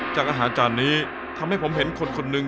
จากอาหารจานนี้ทำให้ผมเห็นคนคนหนึ่ง